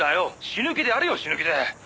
死ぬ気でやれよ死ぬ気で」